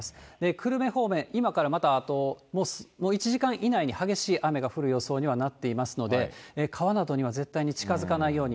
久留米方面、今からまたあと、もう１時間以内に激しい雨が降る予想にはなっていますので、川などには絶対に近づかないように。